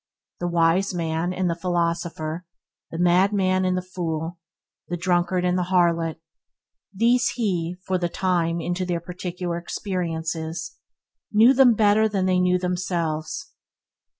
The wise man and the philosopher; the madman and the fool; the drunkard and the harlot – these he, for the time into their particular experiences and knew them better than they knew themselves.